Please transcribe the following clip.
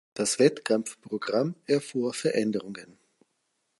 Das Wettkampfprogramm erfuhr Veränderungen.